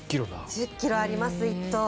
１０ｋｇあります、１頭。